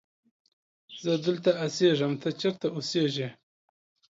زه دلته اسیږم ته چیرت اوسیږی